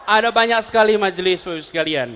ada banyak sekali majelis majelis sekalian